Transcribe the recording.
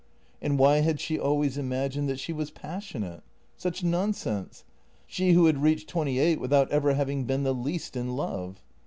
And why had she al ways imagined that she was passionate? Such nonsense! She who had reached twenty eight without ever having been the least in love.